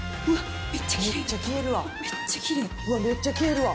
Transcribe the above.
うわっ、めっちゃ消えるわ。